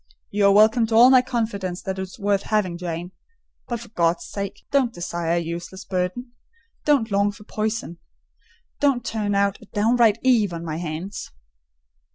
"You are welcome to all my confidence that is worth having, Jane; but for God's sake, don't desire a useless burden! Don't long for poison—don't turn out a downright Eve on my hands!"